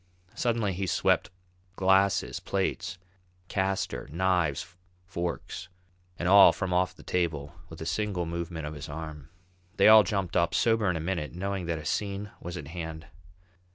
Suddenly he swept glasses, plates, castor, knives, forks, and all from off the table with a single movement of his arm. They all jumped up, sober in a minute, knowing that a scene was at hand.